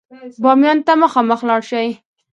بامیان ته خامخا لاړ شئ.